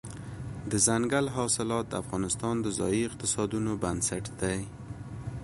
دځنګل حاصلات د افغانستان د ځایي اقتصادونو بنسټ دی.